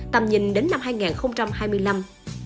tầm nhìn đến năm hai nghìn hai mươi năm